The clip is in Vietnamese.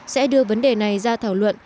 sẽ đưa vấn đề này ra thảo luận